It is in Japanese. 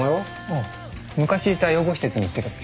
あっ昔いた養護施設に行ってくる。